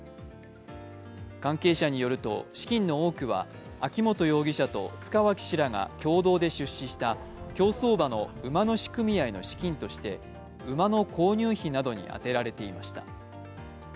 関係者によると、資金の多くは秋本容疑者と塚脇氏らが共同で出資した競走馬の馬主組合の資金として馬の購入費などに充てられていました。